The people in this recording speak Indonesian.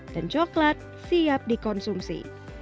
dan coklat siap dikonsumsi